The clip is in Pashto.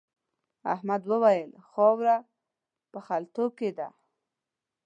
احمد وويل: خاوره په خلتو کې ده.